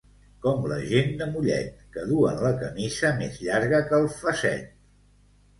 Com la gent de Mollet, que duen la camisa més llarga que el fasset.